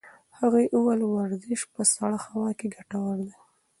هغې وویل ورزش په سړه هوا کې ګټور دی.